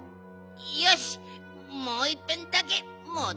よしもういっぺんだけもどってみるか。